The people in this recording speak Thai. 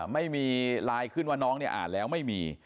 ไม่มีไลน์ขึ้นว่าน้องเนี่ยอ่านแล้วไม่มี